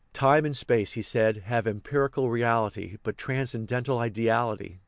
" Time and space," he said, " have empirical reality, but transcendental ideality."